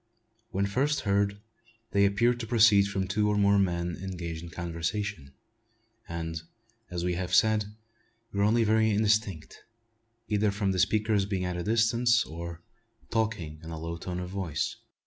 When first heard, they appeared to proceed from two or more men engaged in conversation; and, as we have said, were only very indistinct, either from the speakers being at a distance or talking in a low tone of voice.